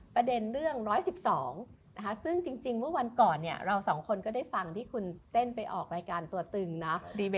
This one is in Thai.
ประเด็นเรื่อง๑๑๒นะคะซึ่งจริงเมื่อวันก่อนเนี่ยเราสองคนก็ได้ฟังที่คุณเต้นไปออกรายการตัวตึงนะ